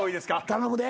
頼むで。